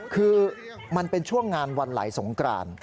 คือมันเป็นช่วงงานวันไหลสงกราน